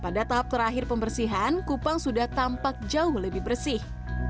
pada tahap terakhir pembersihan kupang sudah tampak jauh lebih bersih